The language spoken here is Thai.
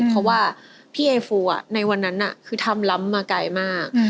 เพราะว่าพี่ไอฟูในวันนั้นคือทำล้ำมาไกลมาก